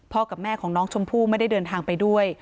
กับแม่ของน้องชมพู่ไม่ได้เดินทางไปด้วย